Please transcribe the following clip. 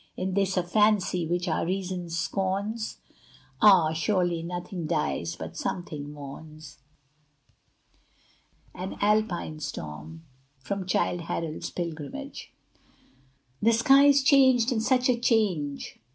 Is this a fancy which our reason scorns? Ah! surely nothing dies but something mourns. AN ALPINE STORM From 'Childe Harold's Pilgrimage' The sky is changed and such a change!